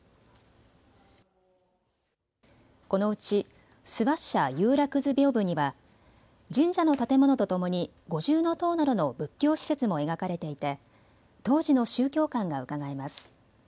このうち諏訪社遊楽図屏風には神社の建物とともに五重塔などの仏教施設も描かれていて当時の宗教観がうかがえます。